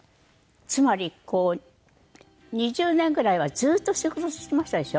つまり２０年ぐらいはずっと仕事していましたでしょ？